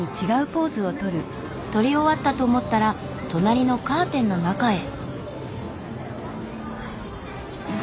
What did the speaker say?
撮り終わったと思ったら隣のカーテンの中へ。